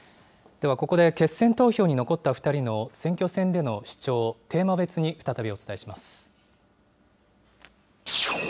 ではここで決選投票に残った２人の選挙戦での主張をテーマ別に再びお伝えします。